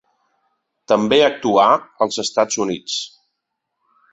També actuà als Estats Units.